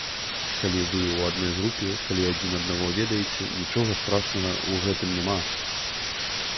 Калі вы ў адной групе, калі адзін аднаго ведаеце, нічога страшнага ў гэтым няма.